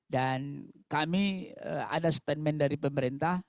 dan kami ada statement dari pemerintah